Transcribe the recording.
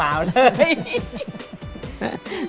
เปล่าเลย